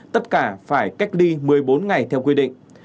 tất cả phải cách ly một mươi bốn ngày theo quy định